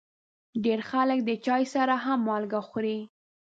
ډېری خلک د چای سره هم مالګه خوري.